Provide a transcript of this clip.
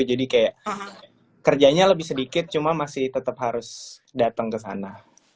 jadi kayak kerjanya lebih sedikit cuma masih tetap harus datang ke sana